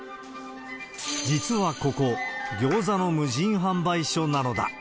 実はここ、ギョーザの無人販売所なのだ。